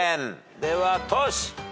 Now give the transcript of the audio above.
ではトシ。